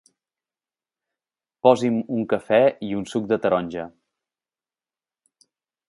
Posi'm un cafè i un suc de taronja.